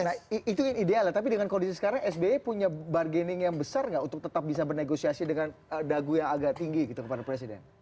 nah itu ideal ya tapi dengan kondisi sekarang sby punya bargaining yang besar nggak untuk tetap bisa bernegosiasi dengan dagu yang agak tinggi gitu kepada presiden